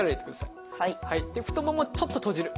太ももちょっと閉じる。